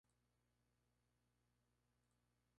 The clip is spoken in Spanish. Fue amigo de Beethoven en Viena.